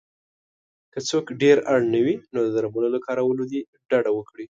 که څوک ډېر اړ نه وی نو د درملو له کارولو دې ډډه وکړی